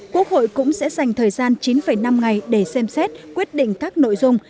quốc hội cũng sẽ dành thời gian chín năm ngày để xem xét quyết định các nội dung